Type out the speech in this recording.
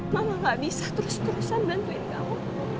mama gak bisa terus terusan bantuin kamu